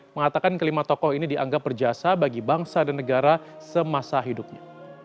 mengatakan kelima tokoh ini dianggap berjasa bagi bangsa dan negara semasa hidupnya